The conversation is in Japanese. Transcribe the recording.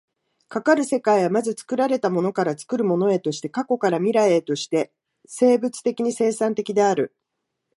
かかる世界は、まず作られたものから作るものへとして、過去から未来へとして生物的に生産的である。